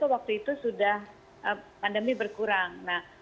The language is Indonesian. waktu itu sudah pandemi berkurang